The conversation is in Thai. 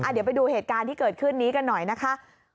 เดี๋ยวไปดูเหตุการณ์ที่เกิดขึ้นนี้กันหน่อยนะคะ